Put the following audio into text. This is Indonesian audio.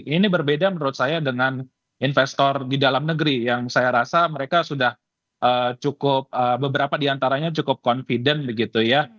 ini berbeda menurut saya dengan investor di dalam negeri yang saya rasa mereka sudah cukup beberapa diantaranya cukup confident begitu ya